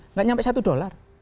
nggak sampai satu dollar